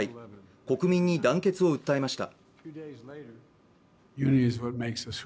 国民に団結を訴えました。